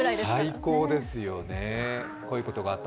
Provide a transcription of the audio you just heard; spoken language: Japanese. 最高ですよね。